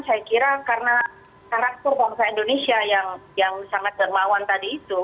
saya kira karena karakter bangsa indonesia yang sangat dermawan tadi itu